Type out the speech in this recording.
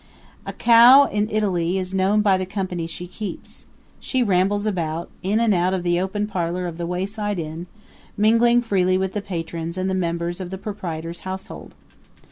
A cow in Italy is known by the company she keeps; she rambles about, in and out of the open parlor of the wayside inn, mingling freely with the patrons and the members of the proprietor's household.